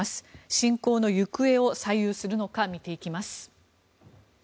侵攻の行方を左右するのか見ていきます。